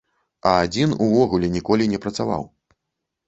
А адзін увогуле ніколі не працаваў!